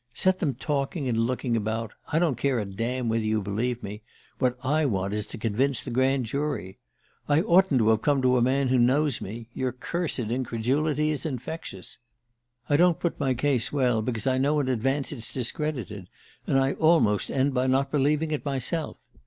Set them talking and looking about. I don't care a damn whether you believe me what I want is to convince the Grand Jury! I oughtn't to have come to a man who knows me your cursed incredulity is infectious. I don't put my case well, because I know in advance it's discredited, and I almost end by not believing it myself.